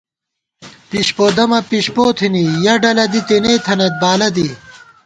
پِشپو دَمہ پِشپو تھِنی ، یَہ ڈلہ دی تېنے تھنَئیت بالہ دی